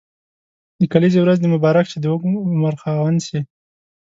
د کلیزي ورځ دي مبارک شه د اوږد عمر خاوند سي.